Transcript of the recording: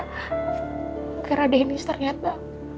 aku kira deniz ternyata